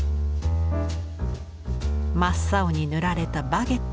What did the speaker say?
真っ青に塗られたバゲット。